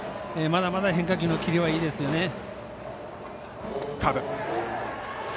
まだまだ変化球のキレはいいですね。